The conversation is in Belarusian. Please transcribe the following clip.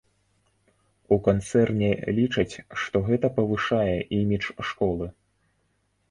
У канцэрне лічаць, што гэта павышае імідж школы.